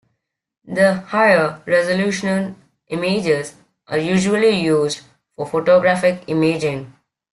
The higher-resolution images are usually used for photographic imaging.